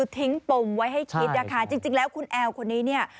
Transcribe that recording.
ทิ้งปมไว้ให้คิดนะคะจริงแล้วคุณแอลคนนี้เนี่ย